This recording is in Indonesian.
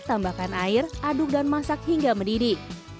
tambahkan air aduk dan masak hingga mendidih